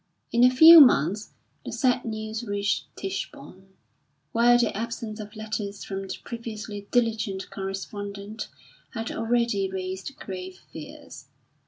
In a few months the sad news reached Tichborne, where the absence of letters from the previously diligent correspondent had already raised grave fears.